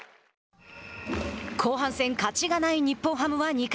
後半戦勝ちがない日本ハムは２回。